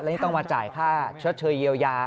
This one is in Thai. แล้วต้องมาจ่ายค่าเชื้อเชื้อเยียวยา